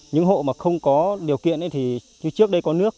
những hộ mà không có điều kiện thì như trước đây có nước